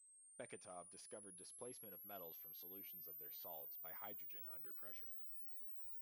Beketov discovered displacement of metals from solutions of their salts by hydrogen under pressure.